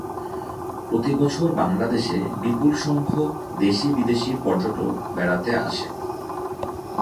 প্রতিবছর বাংলাদেশে বিপুল সংখ্যক দেশী বিদেশী পর্যটক বেড়াতে আসে।